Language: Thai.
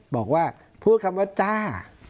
บอกว่าพูดคำว่าจ้า